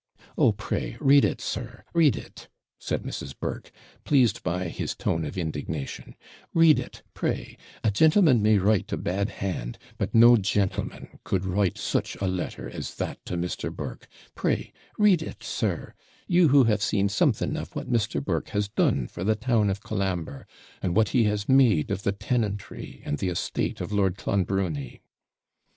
'Oh, pray, read it, sir, read it,' said Mrs. Burke, pleased by his tone of indignation; 'read it, pray; a gentleman may write a bad hand, but no GENTLEMAN could write such a letter as that to Mr. Burke pray read it, sir; you who have seen something of what Mr. Burke has done for the town of Colambre, and what he has made of the tenantry and the estate of Lord Clonbrony.'